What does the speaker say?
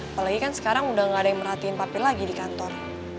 apalagi kan sekarang udah gak ada yang merhatiin papi lagi di kantor